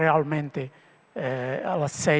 dalam jangka pendek